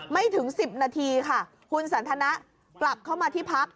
ไม่ถึง๑๐นาทีค่ะคุณสันทนะกลับเข้ามาที่พัก